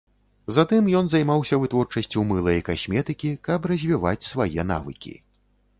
Затым ён займаўся вытворчасцю мыла і касметыкі, каб развіваць свае навыкі.